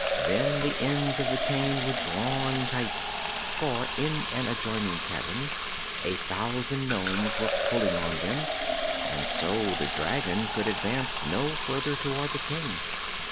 Then the ends of the chain were drawn tight for in an adjoining cavern a thousand nomes were pulling on them and so the dragon could advance no further toward the King.